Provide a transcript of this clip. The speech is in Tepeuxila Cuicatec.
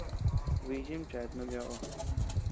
Bichim cheat no tiö ko.